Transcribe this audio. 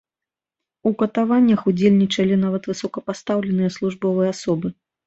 У катаваннях удзельнічалі нават высокапастаўленыя службовыя асобы.